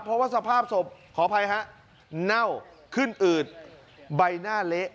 เพราะว่าสภาพศพขออภัยฮะเน่าขึ้นอืดใบหน้าเละ